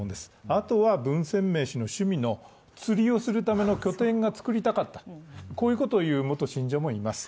あとは文鮮明氏の趣味の釣りをするための拠点が作りたかった、こういうことを言う元信者もいます。